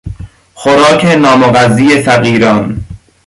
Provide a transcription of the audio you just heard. خوراک نامغذی فقیران